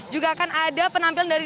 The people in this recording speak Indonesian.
juga akan ada penampilan dari